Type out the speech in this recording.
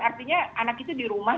karena anak itu dirumah